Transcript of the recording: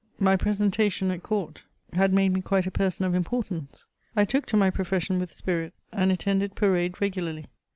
My presentation at court had made me quite a person of importance. I took to my profession with spirit, and attended parade regularly.